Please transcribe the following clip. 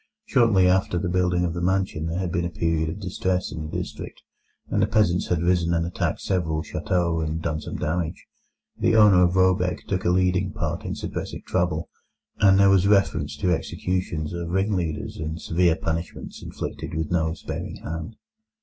Shortly after the building of the mansion there had been a period of distress in the district, and the peasants had risen and attacked several châteaux and done some damage. The owner of Råbäck took a leading part in supressing the trouble, and there was reference to executions of ring leaders and severe punishments inflicted with no sparing hand.